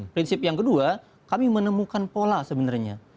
prinsip yang kedua kami menemukan pola sebenarnya